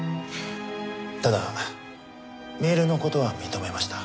ただメールの事は認めました。